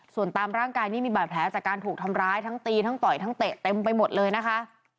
ส่วนตามร่างกายนี่มีบาดแผลจากการถูกทำร้ายทั้งตีทั้งต่อยทั้งเตะเต็มไปหมดเลยนะคะ